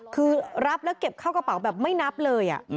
คือรับแล้วเก็บเข้ากระเป๋าแบบไม่นับเลย